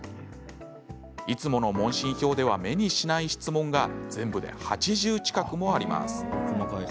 いつもの問診票では目にしない質問が全部で８０近くもあります。